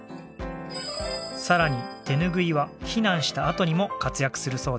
さらに手ぬぐいは避難したあとにも活躍するそうです。